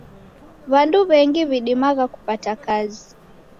W'andu w'engi w'idimagha kupata kazi.